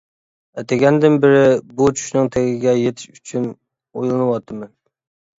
ئەتىگەندىن بېرى، بۇ چۈشنىڭ تېگىگە يېتىش ئۈچۈن ئويلىنىۋاتىمەن.